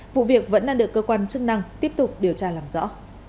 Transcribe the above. vụ việc vẫn đang được cơ quan chức năng tiếp tục điều tra làm rõ